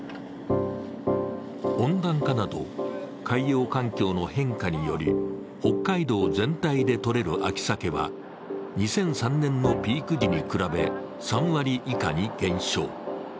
温暖化など海洋環境の変化により、北海道全体でとれる秋鮭は２００３年のピーク時に比べ３割以下に減少。